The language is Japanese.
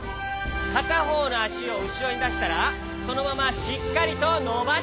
かたほうのあしをうしろにだしたらそのまましっかりとのばしていくよ。